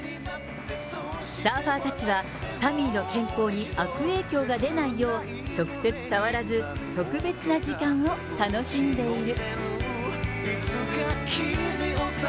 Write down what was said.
サーファーたちは、サミーの健康に悪影響が出ないよう、直接触らず、特別な時間を楽しんでいる。